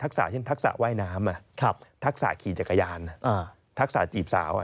เช่นทักษะว่ายน้ำทักษะขี่จักรยานทักษะจีบสาว